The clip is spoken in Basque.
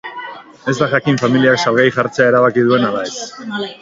Ez da jakin familiak salgai jartzea erabaki duen ala ez.